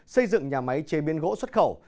xây dựng nhà máy chế biến gỗ xuất khẩu